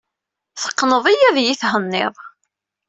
Teqqneḍ-iyi ad iyi-thenniḍ.